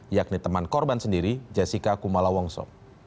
yakni teman korban sendiri jessica kumala wongso